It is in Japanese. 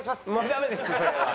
ダメですそれは。